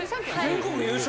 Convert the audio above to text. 「全国で優勝！？